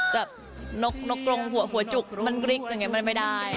จะนกลงหัวจุกมันกริกอย่างเงี้ยมันไม่ได้